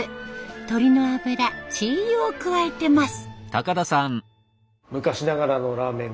鶏の脂チー油を加えてます。